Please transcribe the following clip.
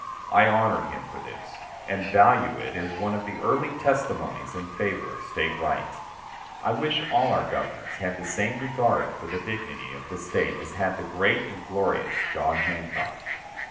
I honor him for this, and value it as one of the early testimonies in favor of State rights. I wish all our Governors had the same regard for the dignity of the State as had the great and glorious John Hancock.